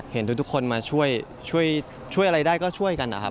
เห็นทุกคนมาช่วยช่วยอะไรได้ก็ช่วยกันนะครับ